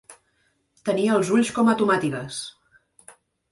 Tenir els ulls com a tomàtigues.